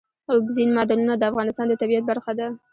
اوبزین معدنونه د افغانستان د طبیعت برخه ده.